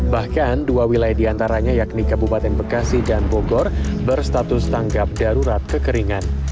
bahkan dua wilayah diantaranya yakni kabupaten bekasi dan bogor berstatus tanggap darurat kekeringan